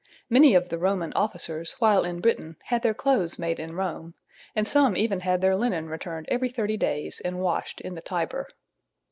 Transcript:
Many of the Roman officers while in Britain had their clothes made in Rome, and some even had their linen returned every thirty days and washed in the Tiber.